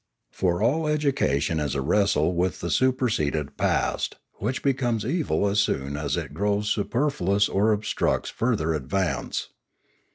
For all education is a wrestle with the superseded past, which becomes evil as soon as it grows superfluous or obstructs further advance.